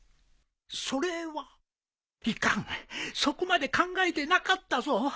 そこまで考えてなかったぞ